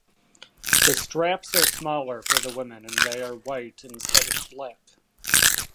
The straps are smaller for the women and they are white instead of black.